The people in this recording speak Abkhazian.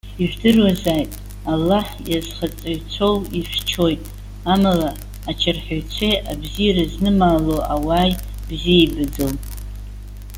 Ижәдыруазааит, Аллаҳ иазхаҵаҩцәоу ихьчоит. Амала, ачарҳәаҩцәеи абзиара знымаало ауааи бзиа ибаӡом.